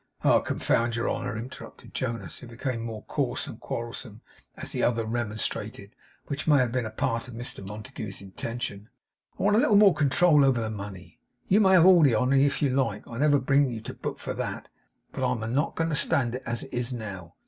'Oh! confound your honour,' interrupted Jonas, who became more coarse and quarrelsome as the other remonstrated, which may have been a part of Mr Montague's intention; 'I want a little more control over the money. You may have all the honour, if you like; I'll never bring you to book for that. But I'm not a going to stand it, as it is now.